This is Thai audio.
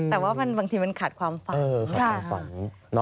แต่ว่าบางทีมันขาดความฝัน